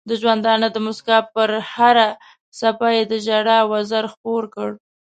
د ژوندانه د مسکا پر هره څپه یې د ژړا وزر خپور کړ.